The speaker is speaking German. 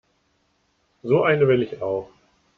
So eine will ich auch.